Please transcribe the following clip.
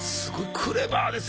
クレバーですね。